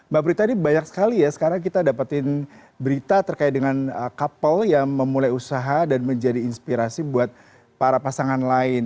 mbak prita ini banyak sekali ya sekarang kita dapetin berita terkait dengan couple yang memulai usaha dan menjadi inspirasi buat para pasangan lain